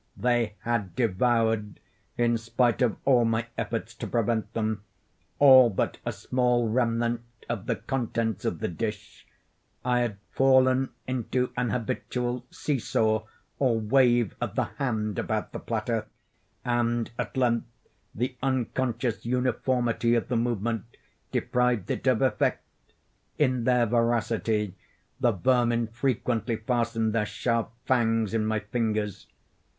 They had devoured, in spite of all my efforts to prevent them, all but a small remnant of the contents of the dish. I had fallen into an habitual see saw, or wave of the hand about the platter; and, at length, the unconscious uniformity of the movement deprived it of effect. In their voracity the vermin frequently fastened their sharp fangs in my fingers.